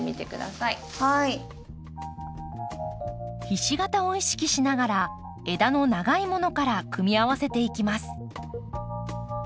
ひし形を意識しながら枝の長いものから組み合わせていきます。